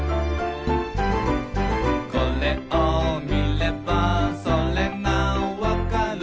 「これを見ればそれがわかる」